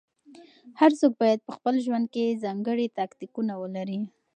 هر څوک بايد په خپل ژوند کې ځانګړي تاکتيکونه ولري.